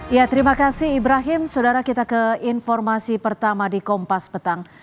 ya terima kasih ibrahim saudara kita ke informasi pertama di kompas petang